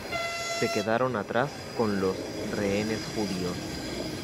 Se quedaron atrás con los rehenes judíos.